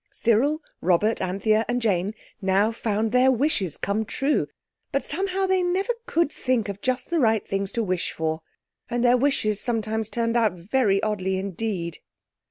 Cyril, Robert, Anthea, and Jane now found their wishes come true; but, somehow, they never could think of just the right things to wish for, and their wishes sometimes turned out very oddly indeed.